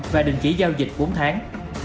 và đình chỉ giao dịch bốn tháng